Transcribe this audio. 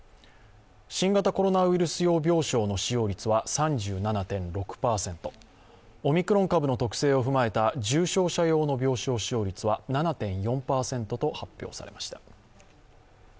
新型コロナウイルス用病床の使用率は３７．６％、オミクロン株の特性を踏まえた重症者用の病床使用率は７．４％と発表されました。